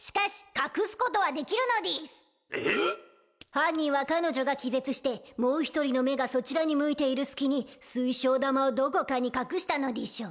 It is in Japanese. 犯人は彼女が気絶してもう一人の目がそちらに向いている隙に水晶玉をどこかに隠したのでぃしょう。